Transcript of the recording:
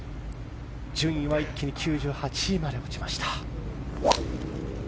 順位は一気に９８位にまで落ちました。